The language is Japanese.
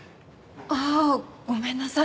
ああごめんなさい。